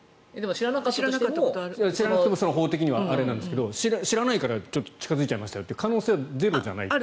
知らなくても法的にはあれなんですけど知らないから近付いちゃいましたよという可能性はゼロじゃない？